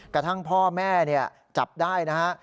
กระทั่งพ่อแม่จับได้นะฮะ